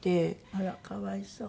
あらかわいそう。